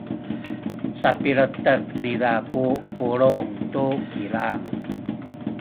sapiletek niza ku pulung tu kilang.